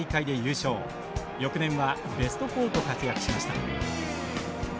翌年はベスト４と活躍しました。